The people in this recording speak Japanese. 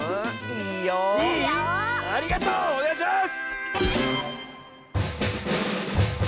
いい⁉ありがとう！おねがいします！